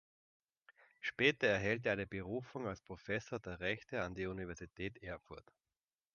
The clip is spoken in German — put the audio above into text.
Später erhält er eine Berufung als Professor der Rechte an die Universität Erfurt.